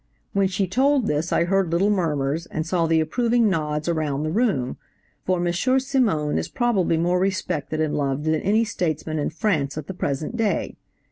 When she told this I heard little murmurs, and saw the approving nods around the room, for M. Simon is probably more respected and loved than any statesman in France at the present day.